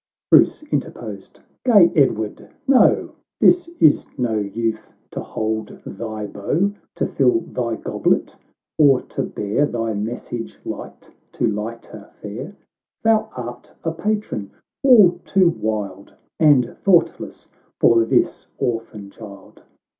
Bruce interposed, —" Gay Edward, no, This is no youth to hold thy bow, To fill thy goblet, or to bear Thy message light to lighter fair. Thou art a patron all too wild And thoughtless, for this orphan child.